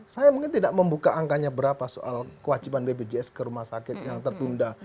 saya mungkin tidak membuka angkanya berapa soal kewajiban bpjs ke rumah sakit yang tertunda